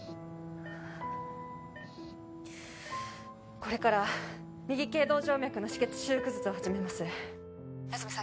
これから右頸動静脈の止血修復術を始めます夏梅さん